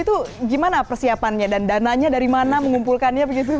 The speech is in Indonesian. itu gimana persiapannya dan dananya dari mana mengumpulkannya begitu